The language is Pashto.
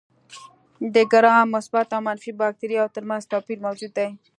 د ګرام مثبت او منفي باکتریاوو تر منځ توپیر موجود دی.